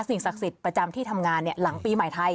สิ่งศักดิ์สิทธิ์ประจำที่ทำงานเนี่ย